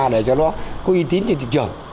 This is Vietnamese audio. để cho nó có y tín trên thị trường